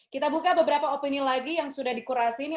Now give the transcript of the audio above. kita buka beberapa opini lagi yang sudah dikurasi ini